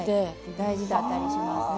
大事だったりしますね。